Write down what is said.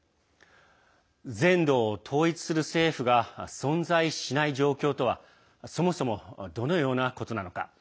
全土を統一する政府が存在しない状況とはそもそもどのようなことなのか。